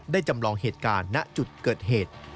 จำลองเหตุการณ์ณจุดเกิดเหตุ